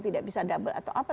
tidak bisa double atau apa